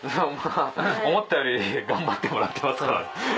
思ったより頑張ってもらってますから。